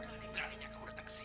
berani beraninya kamu datang ke sini